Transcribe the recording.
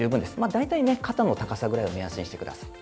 大体肩の高さぐらいを目安にしてください。